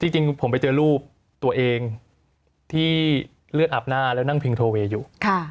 จริงผมไปเจอรูปตัวเองที่เลือดอาบหน้าแล้วนั่งพิงโทเวย์อยู่